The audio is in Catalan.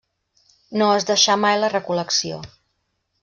No es deixà mai la recol·lecció.